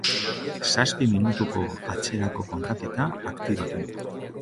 Zazpi minutuko atzerako kontaketa aktibatu